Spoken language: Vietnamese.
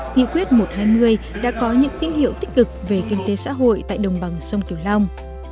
nghị quyết một trăm hai mươi đã có những tín hiệu tích cực về kinh tế xã hội tại đồng bằng sông kiều long